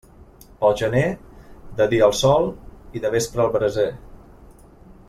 Pel gener, de dia al sol i de vespre al braser.